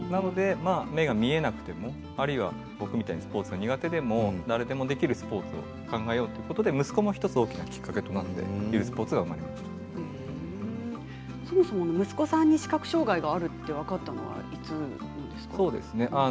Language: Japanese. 目が見えなくてあるいは僕みたいにスポーツが苦手でも誰でもできるスポーツを考えようということで息子も１つ、大きなきっかけとなってそもそも息子さんに視覚障害があると分かったのはいつごろですか？